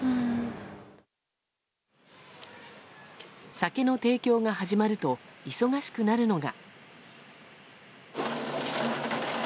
酒の提供が始まると忙しくなるのが。